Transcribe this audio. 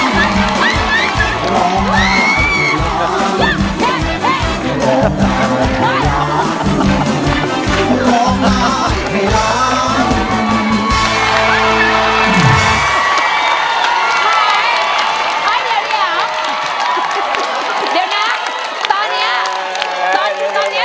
เฮ้ยเฮ้ย